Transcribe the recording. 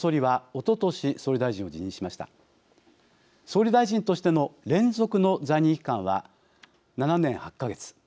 総理大臣としての連続の在任期間は７年８か月。